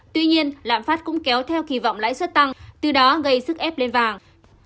tuy nhiên lãm phát cũng kéo theo kỳ vọng lãi xuất tăng từ đó gây sức ép lên vàng